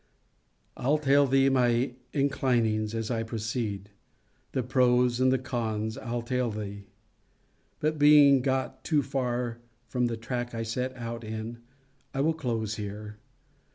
I'll tell thee my inclinings, as I proceed. The pro's and the con's I'll tell thee: but being got too far from the track I set out in, I will close here.